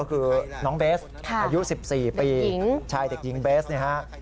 คือน้องเบสอายุ๑๔ปีเด็กหญิงเบสนะฮะ